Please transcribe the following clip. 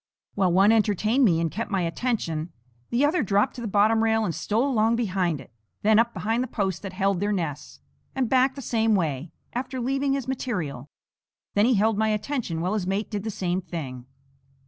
While one entertained me, and kept my attention, the other dropped to the bottom rail and stole along behind it; then up behind the post that held their nest, and back the same way, after leaving his material. Then he held my attention while his mate did the same thing.